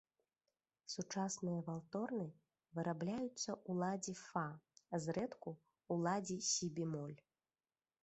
Сучасныя валторны вырабляюцца ў ладзе фа, зрэдку ў ладзе сі-бемоль.